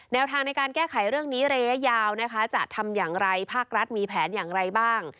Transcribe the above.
ทางในการแก้ไขเรื่องนี้ระยะยาวนะคะจะทำอย่างไรภาครัฐมีแผนอย่างไรบ้าง